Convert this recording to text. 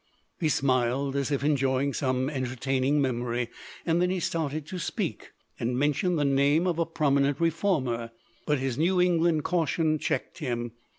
He smiled, as if enjoying some entertaining memory. Then he started to speak, and mentioned the name of a prominent reformer. But his New England caution checked him.